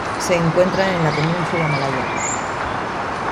Se encuentra en la península Malaya.